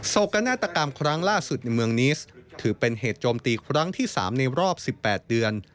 โศกนาฏกรรมครั้งล่าสุดในเมืองนิสถือเป็นเหตุโจมตีครั้งที่๓ในรอบ๑๘เดือน